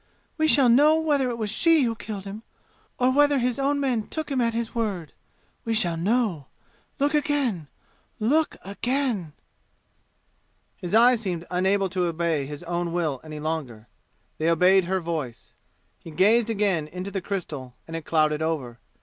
We shall know whether it was she who killed him, or whether his own men took him at his word. We shall know! Look again! Look again!" His eyes seemed unable to obey his own will any longer. They obeyed her voice. He gazed again into the crystal, and it clouded over.